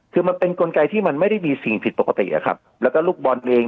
คือมันเป็นกลไกที่มันไม่ได้มีสิ่งผิดปกติอะครับแล้วก็ลูกบอลเอง